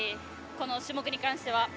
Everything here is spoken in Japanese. この種目に関しては。